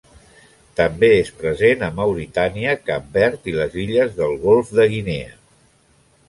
També és present a Mauritània, Cap Verd i les illes del Golf de Guinea.